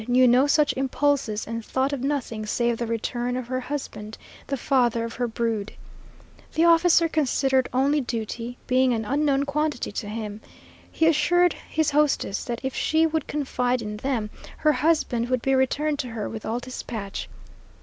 knew no such impulses and thought of nothing save the return of her husband, the father of her brood. The officer considered only duty being an unknown quantity to him. He assured his hostess that if she would confide in them, her husband would be returned to her with all dispatch.